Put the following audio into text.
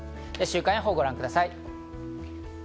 週間予報をご覧ください。